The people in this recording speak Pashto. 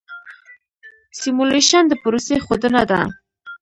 سیمولیشن د پروسې ښودنه ده.